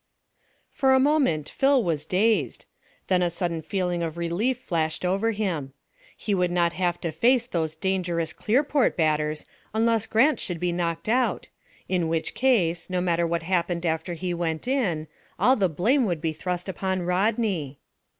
For a moment Phil was dazed; then a sudden feeling of relief flashed over him. He would not have to face those dangerous Clearport batters unless Grant should be knocked out, in which case, no matter what happened after he went in, all the blame could be thrust upon Rodney.